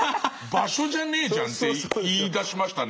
場所じゃねえじゃんって言いだしましたね。